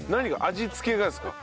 味付けがですか？